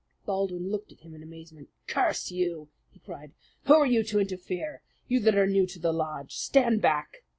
Baldwin looked at him in amazement. "Curse you!" he cried. "Who are you to interfere you that are new to the lodge? Stand back!"